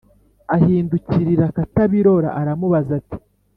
Ahindukirira Katabirora aramubaza ati